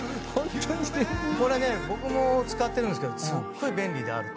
「これね僕も使ってるけどすっごい便利であると」